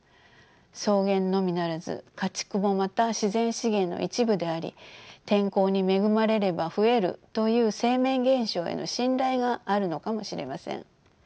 草原のみならず家畜もまた自然資源の一部であり天候に恵まれれば増えるという生命現象への信頼があるのかもしれません。